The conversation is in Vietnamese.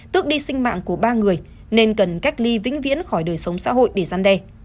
tước đi sinh mạng của ba người nên cần cách ly vĩnh viễn khỏi đời sống xã hội để gian đe